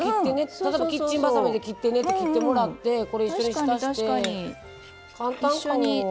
例えば「キッチンバサミで切ってね」って切ってもらってこれ一緒に浸して。